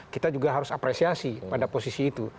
kita juga harus apresiasi pada posisi itu